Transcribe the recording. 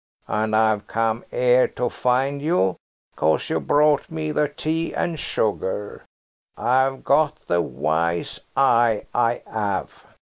And I've come 'ere to find you, 'cause you brought me the tea and sugar. I've got the wise eye, I have.